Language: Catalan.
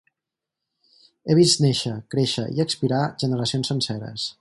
He vist néixer, créixer i expirar generacions senceres.